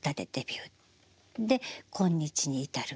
で今日に至る。